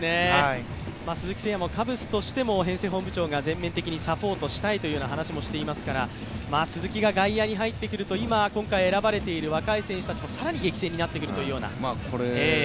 鈴木誠也もカブスとしても編成本部長が全面的にサポートしたいという話をしていますから鈴木が外野に入ってくると、今回選ばれている若い選手たちもさらに激戦になってくるというような。